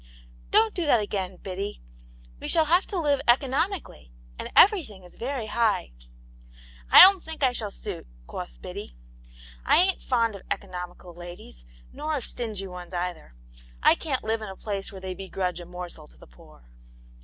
" Don't do that again, Biddy. We shall have to live economically, and everything is very high." "I don't think I shall suit," quoth Biddy. "I ain't fond of economical ladies, nor of stingy ones either. I can't live in a place where they begrudge a morsel to the poor."